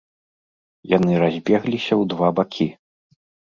Яны разбегліся ў два бакі.